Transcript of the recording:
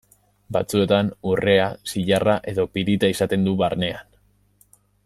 Batzuetan urrea, zilarra edo pirita izaten du barnean.